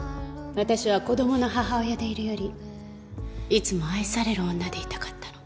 私は子供の母親でいるよりいつも愛される女でいたかったの。